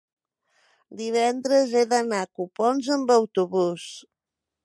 divendres he d'anar a Copons amb autobús.